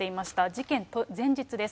事件前日です。